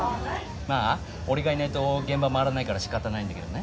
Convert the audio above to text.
まあ俺がいないと現場回らないからしかたないんだけどね。